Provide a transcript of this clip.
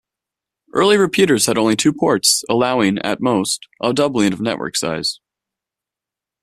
Early repeaters had only two ports, allowing, at most, a doubling of network size.